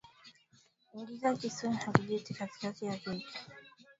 Ingiza kisu au kijiti katikati ya keki ili kuona kama keki imeiva